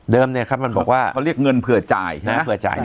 เดิมเนี่ยครับมันบอกว่าเค้าเรียกเงินเผื่อจ่ายนะ